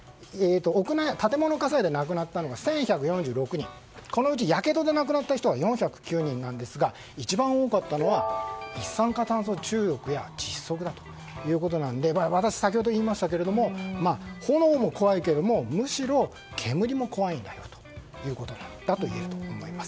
建物火災で亡くなったのが１１４６人このうちやけどで亡くなった方は４０９人なんですが一番多かったのは一酸化炭素中毒や窒息だということなので私、先ほど言いましたが炎も怖いけれども、むしろ煙も怖いんだよということがいえると思います。